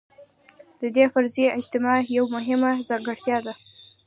د دې فرضي اجتماع یوه مهمه ځانګړتیا ده.